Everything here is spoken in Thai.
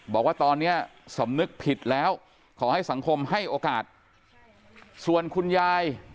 บอกว่าตอนนี้สำนึกผิดแล้วขอให้สังคมให้โอกาสส่วนคุณยาย